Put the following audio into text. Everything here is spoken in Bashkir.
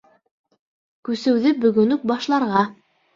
КҮСЕҮҘЕ БӨГӨН ҮК БАШЛАРҒА.